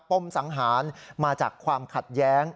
ปมสังหารมาจากความขัดแย้ง